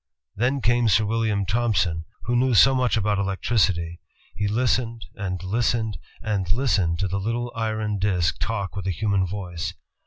Then came Sir William Thompson, who knew so much about elec tricity; he listened, and listened, and listened to that little iron disk talk with a human voice.